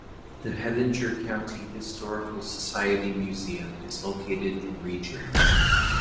The Hettinger County Historical Society Museum is located in Regent.